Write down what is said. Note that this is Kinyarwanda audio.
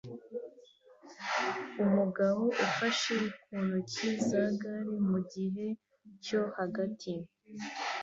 Umugabo ufashe kuntoki za gare mugihe cyo hagati